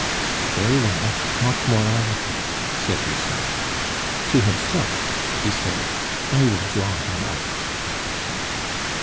"Very well, talk morality," said Lucien. To himself he said, "I will draw him out."